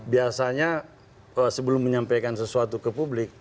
biasanya sebelum menyampaikan sesuatu ke publik